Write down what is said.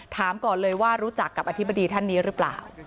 ถามก่อนเลยว่ารู้จักกับอธิบดีท่านนี้หรือเปล่า